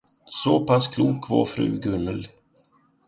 Så pass klok var fru Gunhild.